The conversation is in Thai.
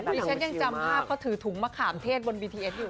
ดิฉันยังจำภาพเขาถือถุงมะขามเทศบนบีทีเอสอยู่